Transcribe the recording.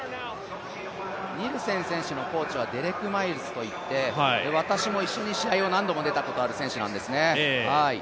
ニルセン選手のコーチはデレク・マイルズといって私も一緒に試合を何度も出たことがある選手なんですね。